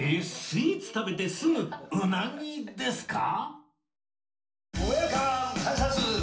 スイーツ食べてすぐうなぎですか？